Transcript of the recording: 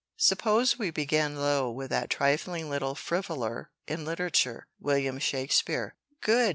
"Suppose we begin low with that trifling little frivoler in literature, William Shakespeare!" "Good!"